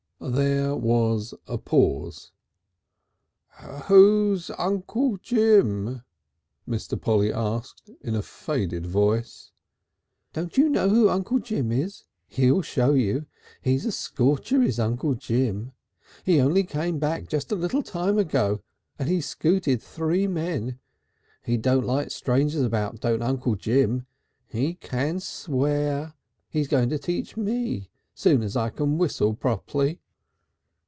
There was a pause. "Who's Uncle Jim?" Mr. Polly asked in a faded voice. "Don't you know who Uncle Jim is? He'll show you. He's a scorcher, is Uncle Jim. He only came back just a little time ago, and he's scooted three men. He don't like strangers about, don't Uncle Jim. He can swear. He's going to teach me, soon as I can whissle properly."